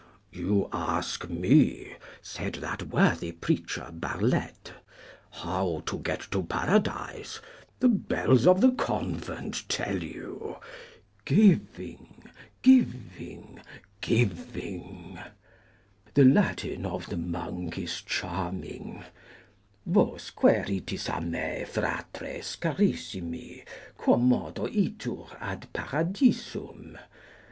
'You ask me,' said that worthy preacher Barlette, 'how to get to Paradise? The bells of the convent tell you: Giving, giving, giving,' The Latin of the monk is charming: "Vos quœritis a me, fratres carissimi, quomodo itur ad paradisupi?